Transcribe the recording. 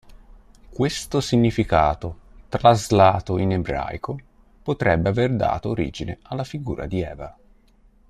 Questo significato, traslato in ebraico, potrebbe aver dato origine alla figura di Eva.